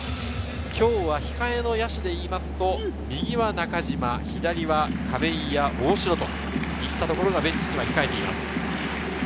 今日は控えの野手でいうと、右は中島、左は亀井や大城というところがベンチに控えています。